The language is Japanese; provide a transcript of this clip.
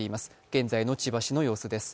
現在の千葉市の様子です。